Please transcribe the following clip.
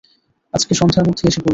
আজকে সন্ধ্যার মধ্যে এসে পড়বে।